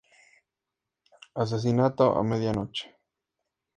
Asesinato a medianoche".